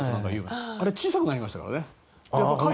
あれ小さくなりましたからね。